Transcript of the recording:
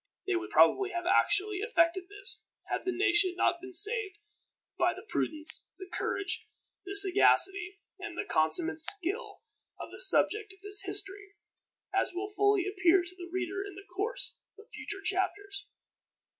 They would probably have actually effected this, had the nation not been saved by the prudence, the courage, the sagacity, and the consummate skill of the subject of this history, as will fully appear to the reader in the course of future chapters.